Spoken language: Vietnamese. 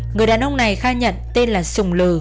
người đàn ông này khai nhận tên là sùng lừ